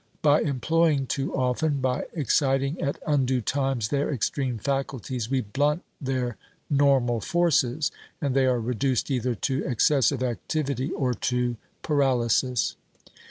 By employing too often, by exciting at undue times their extreme faculties, we blunt their normal forces, and they are reduced either to excessive activity, or to paralysis.